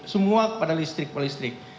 semua tergantung pada listrik polistrik